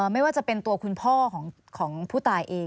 ไม่ว่าจะเป็นตัวคุณพ่อของผู้ตายเอง